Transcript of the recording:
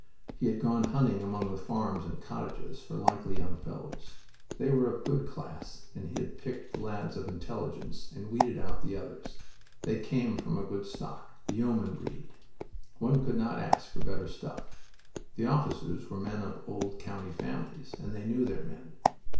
He had gone hunting among the farms and cottages for likely young fellows. They were of good class, and he had picked the lads of intelligence, and weeded out the others. They came from a good stock the yeoman breed. One could not ask for better stuff. The officers were men of old county families, and they knew their men.